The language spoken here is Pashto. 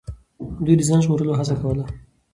دوی د ځان ژغورلو هڅه کوله.